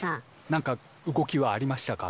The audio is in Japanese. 何か動きはありましたか？